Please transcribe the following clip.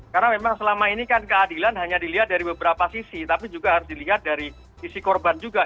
karena memang selama ini kan keadilan hanya dilihat dari beberapa sisi tapi juga harus dilihat dari sisi korban juga